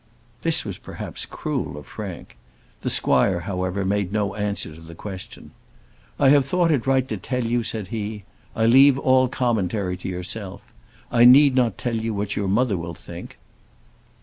This was perhaps cruel of Frank. The squire, however, made no answer to the question. "I have thought it right to tell you," said he. "I leave all commentary to yourself. I need not tell you what your mother will think."